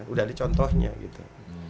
udah ada contohnya gitu